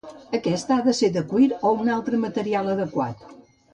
Aquesta ha de ser de cuir o un altre material adequat.